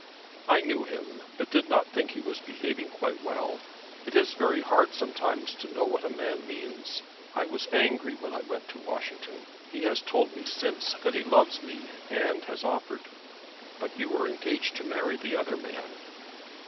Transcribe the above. "I knew him, but did not think he was behaving quite well. It is very hard sometimes to know what a man means. I was angry when I went to Washington. He has told me since that he loves me, and has offered." "But you are engaged to marry the other man."